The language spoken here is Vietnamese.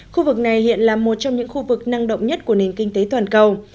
khu vực này hiện là một trong những khu vực năng động nhất của nền kinh tế toàn cầu